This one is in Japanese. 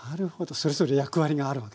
それぞれ役割があるわけですね。